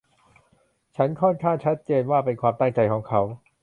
นั่นฉันค่อนข้างชัดเจนว่าเป็นความตั้งใจของเขา